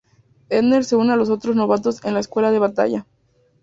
Ender se une a los otros "novatos" en la Escuela de Batalla.